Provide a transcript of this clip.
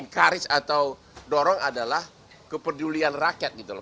karis atau dorong adalah kepedulian rakyat gitu loh